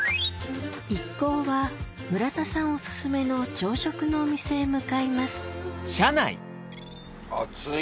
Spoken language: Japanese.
一行は村田さんおすすめの朝食のお店へ向かいます暑い！